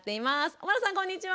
尾花さんこんにちは！